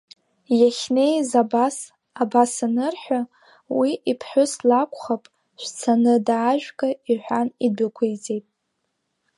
Иахьнеиз абас, абас анырҳәа, уи иԥҳәыс лакәхап, шәцаны даажәга, — иҳәан идәықәиҵеит.